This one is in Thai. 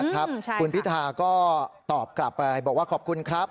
คุณพิธาก็ตอบกลับไปบอกว่าขอบคุณครับ